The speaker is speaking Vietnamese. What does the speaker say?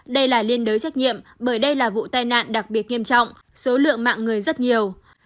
đây là liên đới trách nhiệm bởi đây là vụ tai nạn đặc biệt nghiêm trọng số lượng mạng người rất nhiều